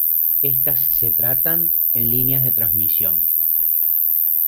Estas se tratan, en Líneas de transmisión.